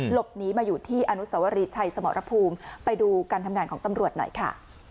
หลบหนีมาอยู่ที่อนุสวรีชัยสมรภูมิไปดูการทำงานของตำรวจหน่อยค่ะ